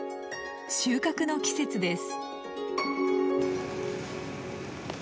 収穫の季節です。